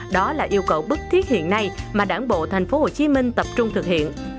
đó là yêu cầu bức thiết hiện nay mà đảng bộ thành phố hồ chí minh tập trung thực hiện